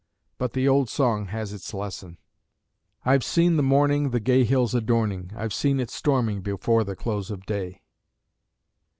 But the old song has its lesson: "I've seen the morning the gay hills adorning, I've seen it storming before the close of day."